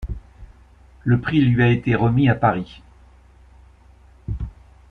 Le prix lui a été remis à Paris.